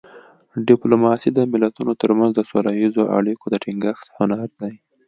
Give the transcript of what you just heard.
ډیپلوماسي د ملتونو ترمنځ د سوله اییزو اړیکو د ټینګښت هنر دی